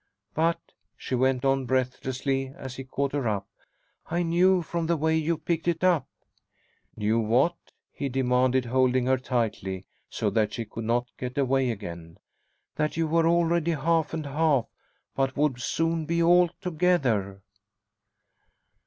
But," she went on breathlessly as he caught her up, "I knew from the way you picked it up " "Knew what?" he demanded, holding her tightly so that she could not get away again. "That you were already half and half, but would soon be altogether."